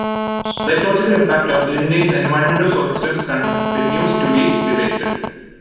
The ecological impact of lindane's environmental persistence continues to be debated.